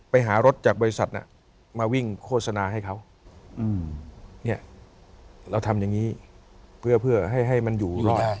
ไปหารถจากบริษัทมาวิ่งโฆษณาให้เขาเนี่ยเราทำอย่างนี้เพื่อให้มันอยู่รอด